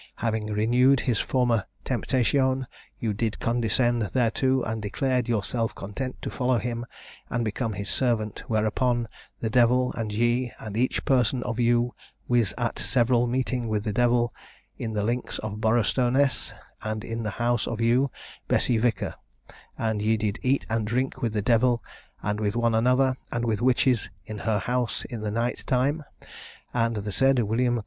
Having renewed his former temtatiown, you did condeshend thereto and declared yourselff content to follow him and become his servant; whereupon the devile and ye and each persone of you wis at several metting with the devile, in the linkes of Borrostowness, and in the house of you, Bessie Vicker; and ye did eate and drink with the devile, and with one another, and with witches in her howss in the night tyme; and the said Wm.